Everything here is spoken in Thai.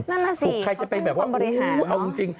นั่นล่ะสิเขาเป็นคนบริหาร